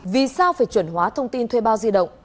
vì sao phải chuẩn hóa thông tin thuê bao di động